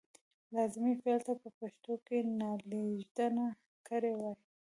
لازمي فعل ته په پښتو کې نالېږندکړ وايي.